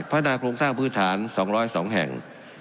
พัฒนาโครงสร้างพื้นฐาน๒๐๒แห่ง